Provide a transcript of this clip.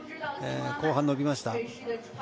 後半伸びました。